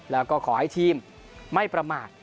แล้วก็ขอให้ทีมไม่ประมาท